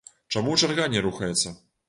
Чаму чарга не рухаецца?